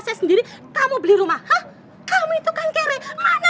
consede kayak crc apa